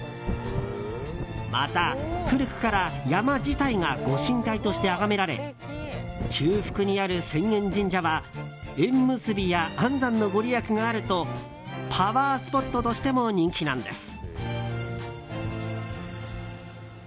また、古くから山自体がご神体としてあがめられ中腹にある浅間神社は縁結びや安産のご利益があるとパワースポットとしても人気なんです。